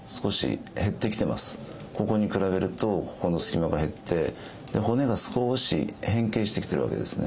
ここに比べるとここの隙間が減って骨が少し変形してきてるわけですね。